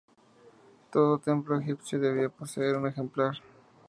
Todo templo egipcio debía poseer un ejemplar.